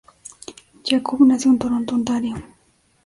Jakub nació en Toronto, Ontario.